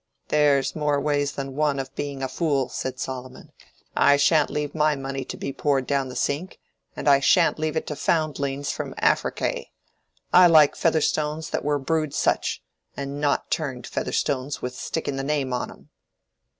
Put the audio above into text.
"There's more ways than one of being a fool," said Solomon. "I shan't leave my money to be poured down the sink, and I shan't leave it to foundlings from Africay. I like Featherstones that were brewed such, and not turned Featherstones with sticking the name on 'em."